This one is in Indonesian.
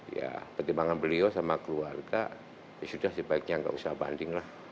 ya pertimbangan beliau sama keluarga ya sudah sebaiknya nggak usah banding lah